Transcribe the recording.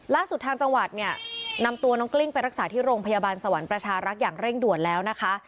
ล่าสุดทางจังหวัดเนี่ยนำตัวน้องกลิ้งไปรักษาที่โรงพยาบาลสวรรค์ประชารักษ์อย่างเร่งด่วนแล้วนะคะ